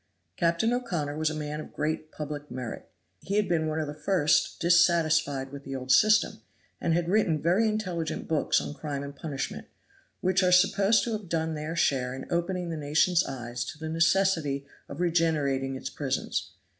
Captain O'Connor was a man of great public merit. He had been one of the first dissatisfied with the old system, and had written very intelligent books on crime and punishment, which are supposed to have done their share in opening the nation's eyes to the necessity of regenerating its prisons.